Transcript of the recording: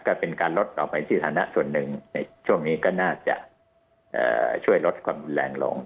ก็เป็นการลดออกไปที่ฐานะส่วนหนึ่งในช่วงนี้ก็น่าจะช่วยลดความรุนแรงลง